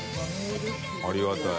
ありがたい。